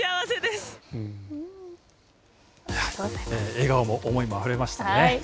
笑顔も思いも晴れましたね。